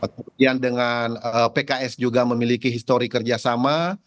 kemudian dengan pks juga memiliki histori kerjasama